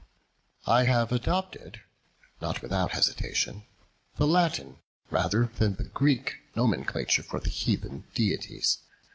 I have adopted, not without hesitation, the Latin, rather than the Greek, nomenclature for the Heathen Deities.